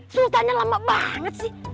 sultannya lama banget sih